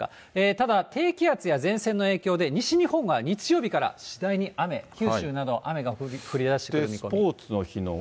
ただ低気圧や前線の影響で、西日本は日曜日から次第に雨、九州など、雨が降りだしてくる見込み。